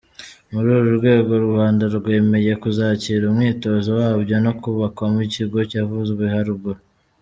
Muri uru rwego, u Rwanda rwemeye kuzakira umwitozo wabyo no kubakwamo ikigo cyavuzwe haruguru.